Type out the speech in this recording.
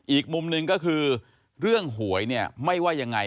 อีกมุมนึงก็คือเรื่องหวยไม่ว่ายังไง